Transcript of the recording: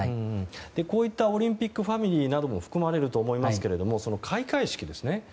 こういったオリンピックファミリーなども含まれると思いますけど開会式ですね。